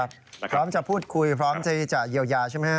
พร้อมจะพูดคุยพร้อมที่จะเยียวยาใช่ไหมฮะ